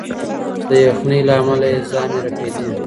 د یخنۍ له امله یې ژامې رپېدې.